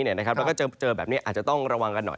แล้วก็เจอแบบนี้อาจจะต้องระวังกันหน่อย